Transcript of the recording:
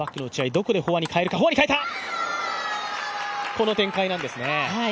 この展開なんですね。